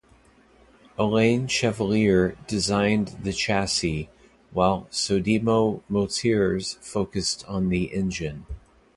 Alain Chevallier designed the chassis, while Sodemo Moteurs focused on the engine.